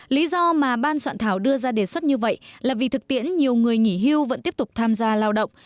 lý do mà ban soạn thảo đưa ra đề xuất như vậy là vì thực tiễn nhiều người nghỉ hưu vẫn tiếp tục tham gia lao động